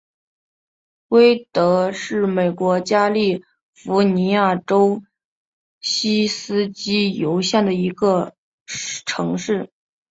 威德是美国加利福尼亚州锡斯基尤县的一座城市。